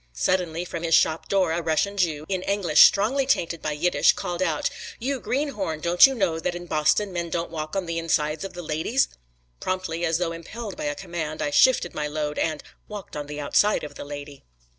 Suddenly from his shop door, a Russian Jew, in English strongly tainted by Yiddish, called out: "You greenhorn, don't you know that in Boston men don't walk on the insides of the ladies?" Promptly, as though impelled by a command, I shifted my load, and "walked on the outside of the lady."